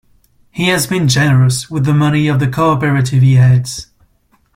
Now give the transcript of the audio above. He has been generous with the money of the co-operative he heads.